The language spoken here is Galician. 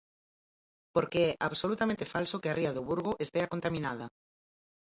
Porque é absolutamente falso que a ría do Burgo estea contaminada.